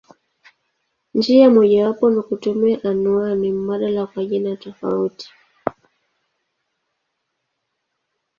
Njia mojawapo ni kutumia anwani mbadala kwa jina tofauti.